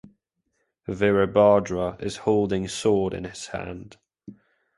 Virabhadra is holding sword in his hand.